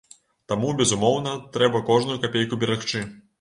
Таму безумоўна трэба кожную капейку берагчы.